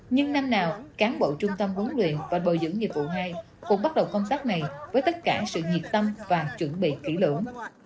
nhưng năm nào cán bộ trung tâm huấn luyện và bồi dưỡng nghiệp vụ hai cũng bắt đầu công tác này với tất cả sự nhiệt tâm và chuẩn bị kỹ lưỡng